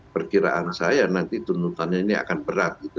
perkiraan saya nanti tuntutannya ini akan berat gitu